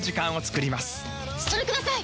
それください！